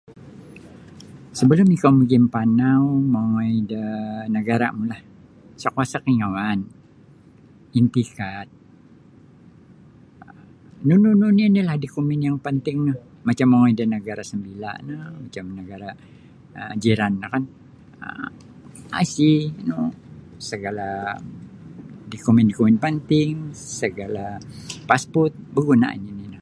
Sebelum ikou magimpanau mongoi da nagarumulah isa kuasa kaingauan entikat um nunu-nunu onilah dokumen yang panting no macam mongoi da negara sambila no macam negara jiran no IC segala dokumen-dokumen panting segala pasport baguna nini ino.